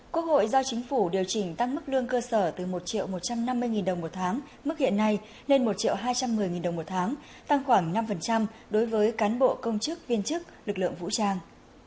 quốc hội giao chính phủ điều chỉnh tăng mức lương cơ sở từ một một trăm năm mươi đồng một tháng mức hiện nay lên một hai trăm một mươi đồng một tháng tăng khoảng năm đối với cán bộ công chức viên chức lực lượng vũ trang